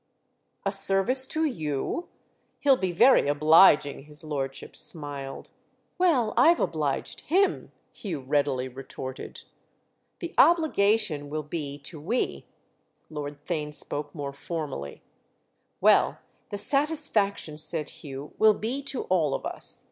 "A service to you? He'll be very obliging," his lordship smiled. "Well, I've obliged him!" Hugh readily retorted. "The obligation will be to we"—Lord Theign spoke more formally. "Well, the satisfaction," said Hugh, "will be to all of us.